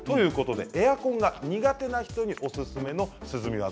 エアコンが苦手な人におすすめの涼み技